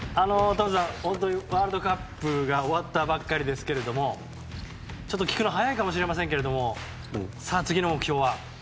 ワールドカップが終わったばかりですけどもちょっと聞くの早いかもしれないんですけど次の目標は？